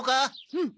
うん。